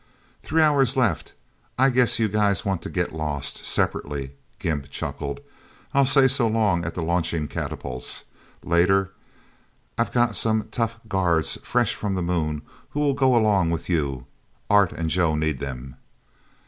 "Three hours left. I guess you guys want to get lost separately," Gimp chuckled. "I'll say so long at the launching catapults, later. I've got some tough guards, fresh from the Moon, who will go along with you. Art and Joe need them..."